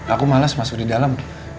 aku males masuk di dalam